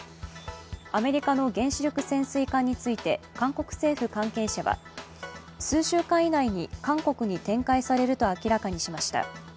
アメリカの原子力潜水艦について韓国政府関係者は数週間以内に韓国に展開されると明らかにしました。